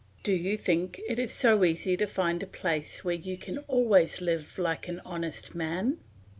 Do you think it is so easy to find a place where you can always live like an honest man?